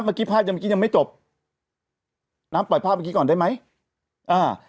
เมื่อกี้ภาพยังเมื่อกี้ยังไม่จบน้ำปล่อยภาพเมื่อกี้ก่อนได้ไหมอ่า